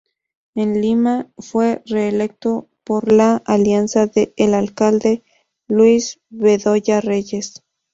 En Lima fue reelecto por la alianza el alcalde Luis Bedoya Reyes.